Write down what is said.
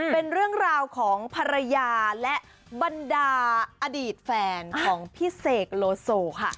เป็นเรื่องราวของภรรยาและบรรดาอดีตแฟนของพี่เสกโลโซค่ะ